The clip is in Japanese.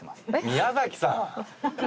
宮崎さん！